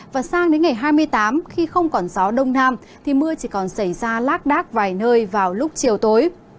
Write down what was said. và sang đến ngày hai mươi tám khi không còn gió đông nam thì mưa chỉ còn xảy ra lác đác vài nơi vào lúc chiều tối